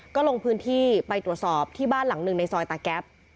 ก็ลงพื้นที่ไปตรวจสอบที่บ้านหลังหนึ่งในซอยตาแก๊ป